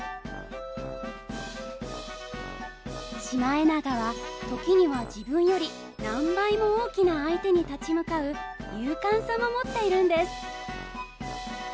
シマエナガは時には自分より何倍も大きな相手に立ち向かう勇敢さも持っているんです。